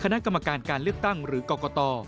คณะกรรมการการเลือกตั้งหรือกรกต